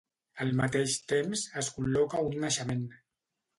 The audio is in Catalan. Al mateix temps, es col·loca un naixement.